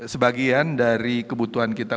sebagian dari kebutuhan kita